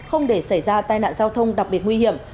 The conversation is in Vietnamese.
không để xảy ra tai nạn giao thông đặc biệt nguy hiểm